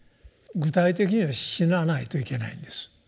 具体的には死なないと行けないんです。